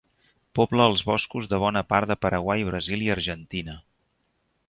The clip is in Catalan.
Pobla els boscos de bona part de Paraguai, Brasil i Argentina.